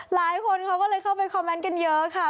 หลายคนเขาก็เลยเข้าไปคอมเมนต์กันเยอะค่ะ